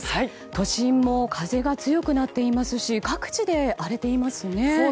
都心も風が強くなっていますし各地で荒れていますね。